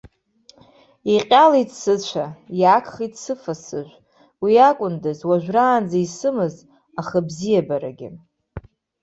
Иҟьалеит сыцәа, иагхеит сыфа-сыжә, уи акәындаз, уажәраанӡа исымаз ахыбзиабарагьы.